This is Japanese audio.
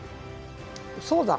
「そうだ！